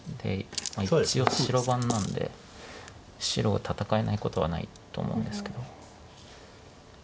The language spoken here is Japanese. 一応白番なんで白戦えないことはないと思うんですけども。